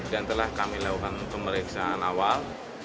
dan telah kami lakukan pemeriksaan awal